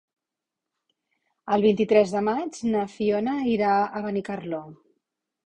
El vint-i-tres de maig na Fiona irà a Benicarló.